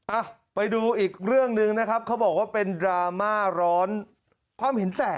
อ่ะไปดูอีกเรื่องหนึ่งนะครับเขาบอกว่าเป็นดราม่าร้อนความเห็นแสบ